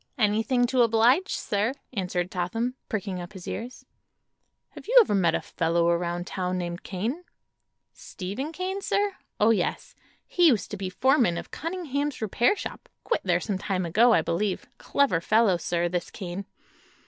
"Anything to oblige, sir," answered Totham, pricking up his ears. "Have you ever met a fellow around town named Kane?" "Steve Kane, sir? Oh, yes. He used to be foreman of Cunningham's repair shop. Quit there some time ago, I believe. Clever fellow, sir, this Kane."